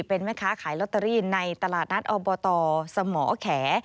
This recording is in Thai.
เป็นแม่ค้าขายลอตเตอรี่ในตลาดนัดอบตสมแข